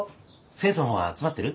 生徒の方は集まってる？